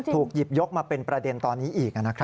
ถูกหยิบยกมาเป็นประเด็นตอนนี้อีก